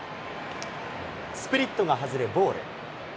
スプリットが外れボール。